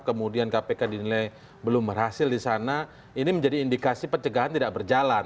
kemudian kpk dinilai belum berhasil di sana ini menjadi indikasi pencegahan tidak berjalan